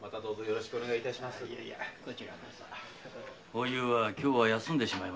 おゆうは今日は休んでしまいましたな。